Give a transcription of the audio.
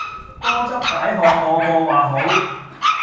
多汁解渴個個話好